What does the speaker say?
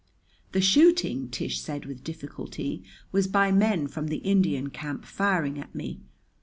"The shooting," Tish said with difficulty, "was by men from the Indian camp firing at me.